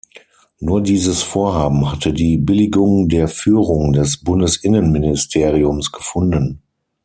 Nur dieses Vorhaben hatte die Billigung der Führung des Bundesinnenministeriums gefunden.